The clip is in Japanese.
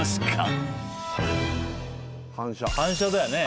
反射だよね。